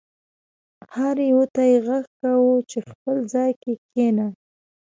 هر یو ته یې غږ کاوه چې خپل ځای کې کښېنه.